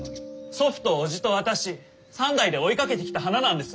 祖父と叔父と私３代で追いかけてきた花なんです！